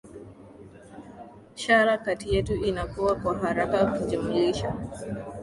shara kati yetu inakua kwa haraka ukijumlisha